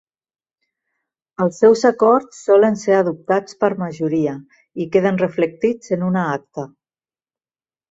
Els seus acords solen ser adoptats per majoria i queden reflectits en una Acta.